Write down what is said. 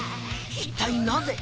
一体なぜ？